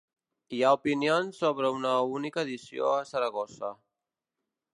Hi ha opinions sobre una única edició a Saragossa.